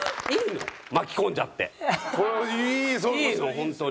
本当に。